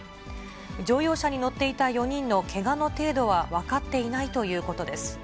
乗用車に乗っていた４人のけがの程度は分かっていないということです。